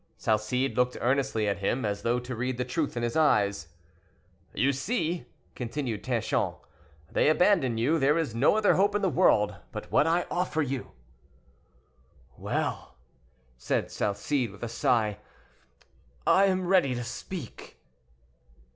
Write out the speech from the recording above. Salcede looked earnestly at him, as though to read the truth in his eyes. "You see," continued Tanchon, "they abandon you. There is no other hope in the world but what I offer you." "Well!" said Salcede, with a sigh, "I am ready to speak."